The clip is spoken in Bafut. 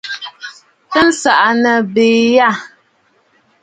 Kɔɔ nsaŋabɛ̀ɛ yâ.